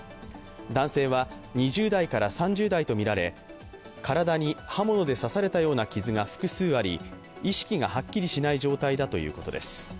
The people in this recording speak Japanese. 男性は２０代から３０代とみられ、体に刃物で刺されたような傷が複数あり、意識がはっきりしない状態だということです。